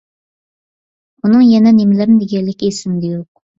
ئۇنىڭ يەنە نېمىلەرنى دېگەنلىكى ئېسىمدە يوق.